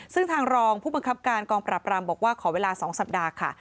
ซึ่งทางรองผู้บังคับการกองปราบรามบอกว่าขอเวลา๒สัปดาห์ค่ะ